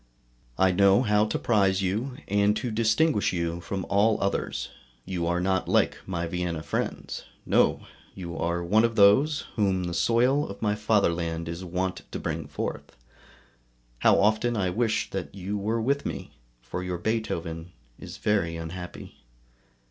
I know how to prize you, and to distinguish you from all others; you are not like my Vienna friends. No! you are one of those whom the soil of my fatherland is wont to bring forth; how often I wish that you were with me, for your Beethoven is very unhappy.